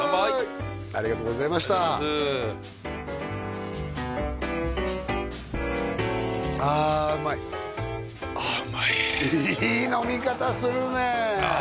ありがとうございましたありがとうございますあうまいああうまいいい飲み方するねえあ